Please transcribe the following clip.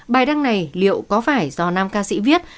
bài đăng này liệu có phải do nam ca sĩ viết